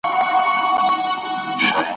دغو ورانو خرابو کي `